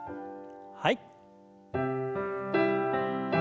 はい。